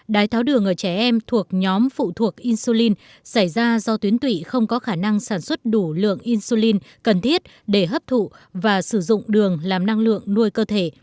đái tháo đường ở trẻ em thuộc nhóm phụ thuộc insulin xảy ra do tuyến tụy không có khả năng sản xuất đủ lượng insulin cần thiết để hấp thụ và sử dụng đường làm năng lượng nuôi cơ thể